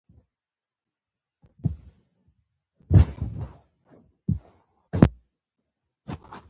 په لیدلو یو د بل نه مړېدلو